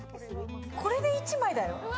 これで１枚だよ。